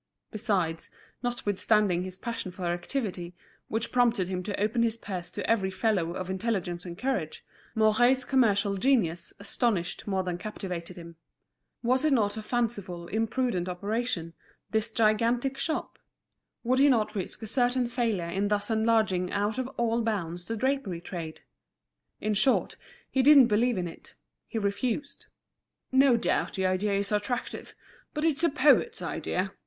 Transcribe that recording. Besides, notwithstanding his passion for activity, which prompted him to open his purse to every fellow of intelligence and courage, Mouret's commercial genius astonished more than captivated him. Was it not a fanciful, imprudent operation, this gigantic shop? Would he not risk a certain failure in thus enlarging out of all bounds the drapery trade? In short, he didn't believe in it; he refused. "No doubt the idea is attractive, but it's a poet's idea.